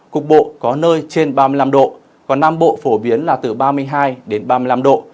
cục bộ có nơi trên ba mươi năm độ còn nam bộ phổ biến là từ ba mươi hai đến ba mươi năm độ